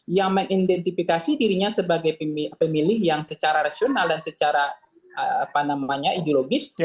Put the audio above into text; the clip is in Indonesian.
yang mengidentifikasi dirinya sebagai pemilih yang secara rasional dan secara ideologis